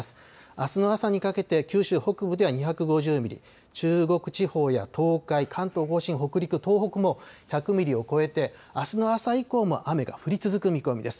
あすの朝にかけて九州北部では２５０ミリ、中国地方や東海、関東甲信、北陸、東北も１００ミリを超えてあすの朝以降も雨が降り続く見込みです。